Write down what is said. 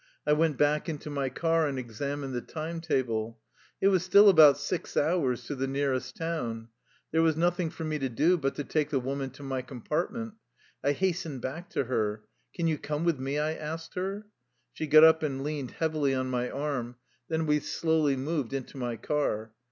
I went back into my car and examined the time table. It was still about six hours to the nearest town. There was nothing for me to do but to take the woman to my compartment. I hastened back to her. " Can you come with me? " I asked her. She got up and leaned heavily on my arm. Then we slowly moved into my car.